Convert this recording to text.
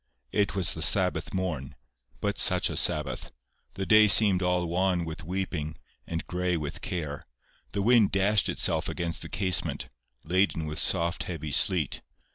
It was the Sabbath morn. But such a Sabbath! The day seemed all wan with weeping, and gray with care. The wind dashed itself against the casement, laden with soft heavy sleet.